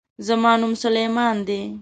زما نوم سلمان دے